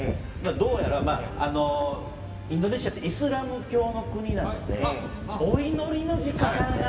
どうやら、インドネシアってイスラム教の国なのでお祈りの時間。